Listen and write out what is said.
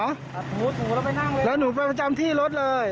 หนูแล้วไปนั่งเลยแล้วหนูไปประจำที่รถเลย